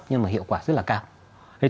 nhưng mà hiệu quả rất là cao